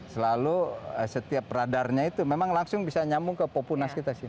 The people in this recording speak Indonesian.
selalu setiap radarnya itu memang langsung bisa nyambung ke popunas kita sih